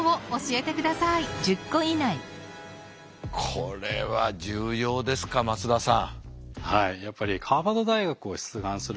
これは重要ですか松田さん。